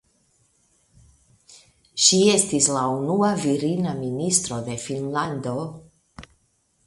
Ŝi estis la unua virina ministro de Finnlando.